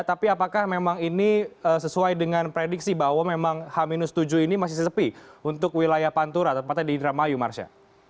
tapi apakah memang ini sesuai dengan prediksi bahwa memang h tujuh ini masih sesepi untuk wilayah pantura tempatnya di indramayu marsya